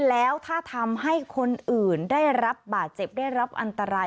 แล้วถ้าทำให้คนอื่นได้รับบาดเจ็บได้รับอันตราย